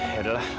ya yaudah lah